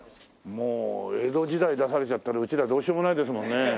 もう江戸時代出されちゃったらうちらどうしようもないですもんね。